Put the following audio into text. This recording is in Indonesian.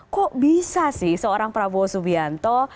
kok bisa sih seorang prabowo subianto